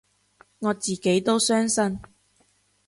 我自己都相信